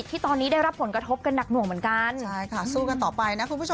ต้องดูตามสถานการณ์ค่ะ